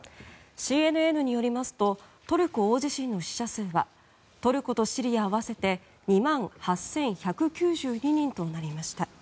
ＣＮＮによりますとトルコ大地震の死者数はトルコとシリア合わせて２万８１９２人となりました。